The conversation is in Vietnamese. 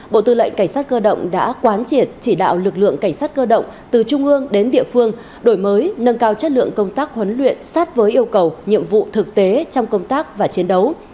bộ tư lệnh cảnh sát cơ động đã quán triệt chỉ đạo lực lượng cảnh sát cơ động từ trung ương đến địa phương đổi mới nâng cao chất lượng công tác huấn luyện sát với yêu cầu nhiệm vụ thực tế trong công tác và chiến đấu